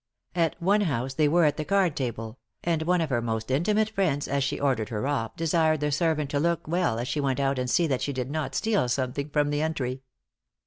At one house they were at the card table; and one of her most intimate friends, as she ordered her off, desired the servant to look well as she went out and see that she did not steal something from the entry.